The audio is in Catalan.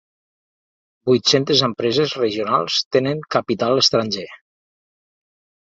Vuit-centes empreses regionals tenen capital estranger.